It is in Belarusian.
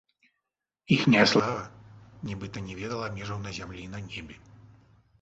Іхняя слава нібыта не ведала межаў на зямлі і на небе.